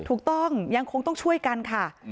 ถูกต้องยังคงต้องช่วยกันค่ะ